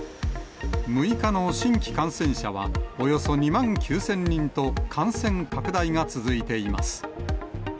６日の新規感染者はおよそ２万９０００人と感染拡大が続いています。